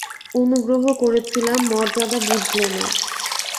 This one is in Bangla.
অনুগ্রহ করেছিলেম, মর্যাদা বুঝলে না।